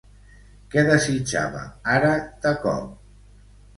Què desitjava ara, de cop?